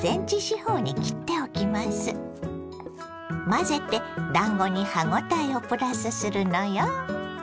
混ぜてだんごに歯応えをプラスするのよ。